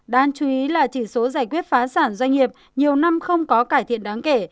đáng chú ý là chỉ số giải quyết phá sản doanh nghiệp nhiều năm không có cải thiện đáng kể